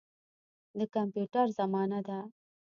د کمپیوټر زمانه ده.